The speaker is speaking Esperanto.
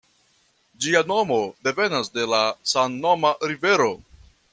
Ĝia nomo devenas de la samnoma rivero.